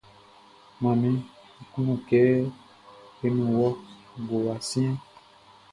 Manmi, Nʼkunnu kɛ eni wɔ ngowa siɛnʼn.